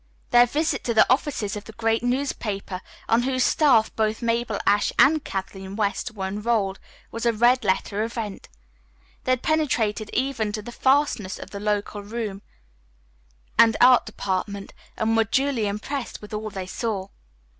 Their visit to the offices of the great newspaper on whose staff both Mabel Ashe and Kathleen West were enrolled was a red letter event. They had penetrated even to the fastnesses of the local room and art department, and were duly impressed with all they saw.